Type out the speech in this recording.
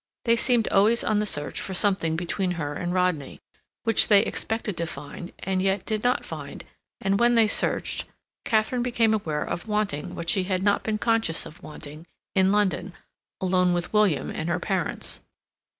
They seemed always on the search for something between her and Rodney, which they expected to find, and yet did not find; and when they searched, Katharine became aware of wanting what she had not been conscious of wanting in London, alone with William and her parents.